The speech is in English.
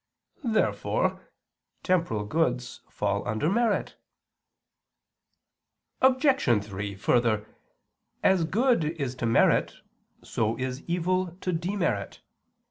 Therefore temporal goods fall under merit. Obj. 3: Further, as good is to merit so is evil to demerit.